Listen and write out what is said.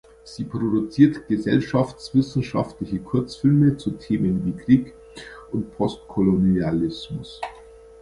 Sie produziert gesellschaftswissenschaftliche Kurzfilme zu Themen wie Krieg und Postkolonialismus.